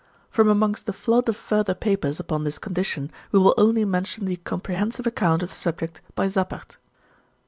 From amongst the flood of further papers upon this condition we will only mention the comprehensive account of the subject by Zappert.